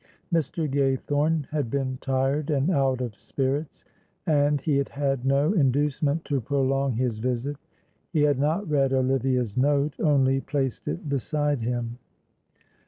Mr. Gaythorne had been tired and out of spirits, and he had had no inducement to prolong his visit; he had not read Olivia's note, only placed it beside him.